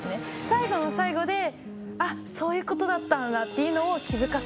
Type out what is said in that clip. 最後の最後で「あっそういうことだったんだ」というのを気付かされる。